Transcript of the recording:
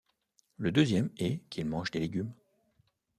Le deuxième est qu'ils mangent des légumes.